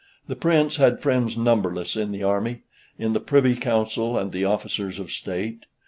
The Prince had friends numberless in the army, in the Privy Council, and the Officers of State.